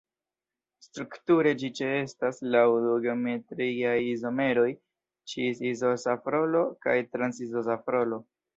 Strukture ĝi ĉeestas laŭ du geometriaj izomeroj, cis-izosafrolo kaj trans-izosafrolo.